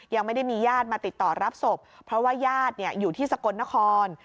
ยังไม่ได้มีญาติมาติดต่อรับศพเพราะว่าญาติอยู่ที่สกลนคร